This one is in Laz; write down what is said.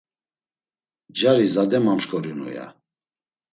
Cari zade mamşǩorinu, ya.